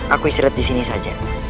aku istirahat disini saja